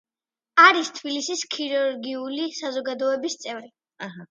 არის თბილისის ქირურგიული საზოგადოების წევრი.